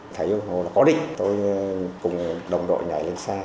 thấy hồn hồn là có địch tôi cùng đồng đội nhảy lên xe